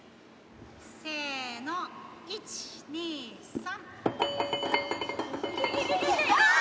せーの、１、２、３。